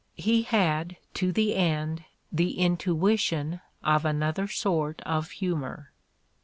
He had, to the end, the intuition of another sort of humor.